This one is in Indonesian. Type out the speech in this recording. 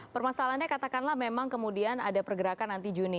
permasalahannya katakanlah memang kemudian ada pergerakan nanti juni